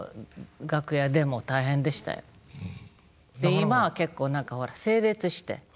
今は結構何かほら整列して。